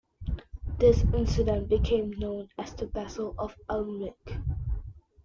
This incident became known as the Battle of Alnwick.